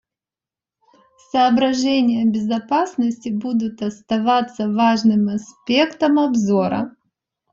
Соображения безопасности будут оставаться важным аспектом обзора.